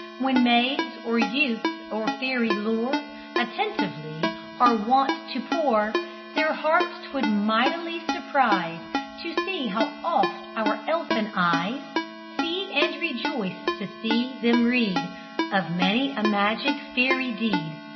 When maids or youths o'er fairy lore Attentively are wont to pore, Their hearts 'twould mightily surprise To see how oft our elfin eyes See, and rejoice to see, them read Of many a magic Fairy deed.